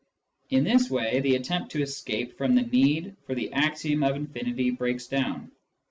In this way the attempt to escape from the need for the axiom of infinity breaks down.